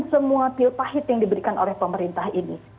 semua pil pahit yang diberikan oleh pemerintah ini